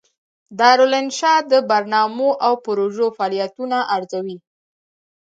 دارالانشا د برنامو او پروژو فعالیتونه ارزوي.